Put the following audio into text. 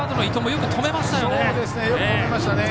よく止めましたけどね。